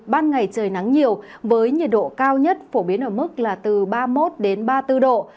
ban ngày trời nắng nhiều với nhiệt độ cao nhất phổ biến ở mức là từ ba mươi một đến ba mươi bốn độ